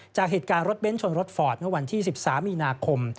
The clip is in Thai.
จากเหตุการณ์รถเบ้นชนรถฟอร์ดเมื่อวันที่๑๓มีนาคม